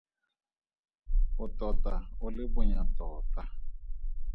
O tota o le bonya tota.